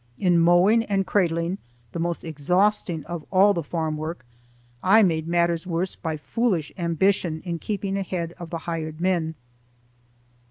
In mowing and cradling, the most exhausting of all the farm work, I made matters worse by foolish ambition in keeping ahead of the hired men.